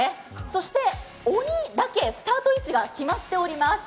そして鬼だけスタート位置が決まっております